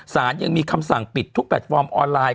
สารยังมีคำสั่งปิดทุกแพลตฟอร์มออนไลน